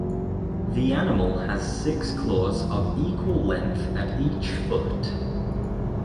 The animal has six claws of equal length at each foot.